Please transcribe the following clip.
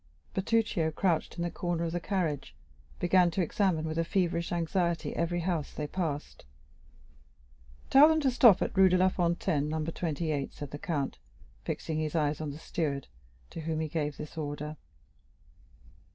Bertuccio, crouched in the corner of the carriage, began to examine with a feverish anxiety every house they passed. "Tell them to stop at Rue de la Fontaine, No. 28," said the count, fixing his eyes on the steward, to whom he gave this order.